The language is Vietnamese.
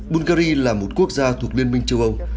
bulgari là một quốc gia thuộc liên minh châu âu